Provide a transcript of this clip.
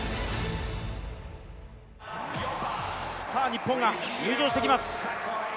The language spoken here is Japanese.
日本が入場してきます。